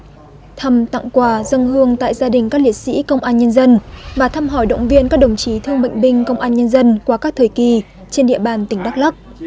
người nông dân tặng quà dâng hương tại gia đình các liệt sĩ công an nhân dân và thăm hỏi động viên các đồng chí thương mệnh binh công an nhân dân qua các thời kì trên địa bàn tỉnh đắk lắk